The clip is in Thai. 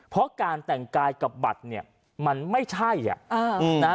เพราะการแต่งกายกับบัตรเนี่ยมันไม่ใช่อ่ะอ่านะฮะ